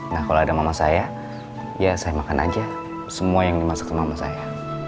nah kalau ada mama saya ya saya makan aja semua yang dimasuk sama mama saya